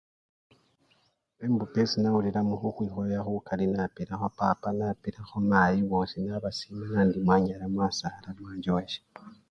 Embuka esi nawulilamo khukhwikhoya khukali napilakho papa napilakho mayi bosi nabasima indi mwanyala mwansala mwanchowesya balebe.